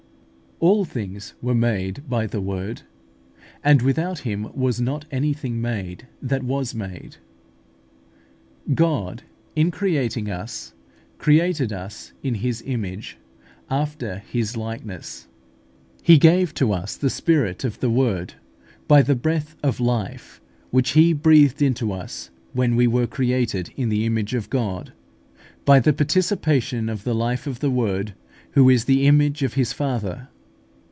"All things were made by (the Word); and without Him was not anything made that was made" (John i. 3). God, in creating us, created us in His image, after His likeness (Gen. i. 26). He gave to us the Spirit of the Word by the breath of life (Gen. ii. 7), which He breathed into us when we were created in the image of God, by the participation of the life of the Word, who is the image of His Father.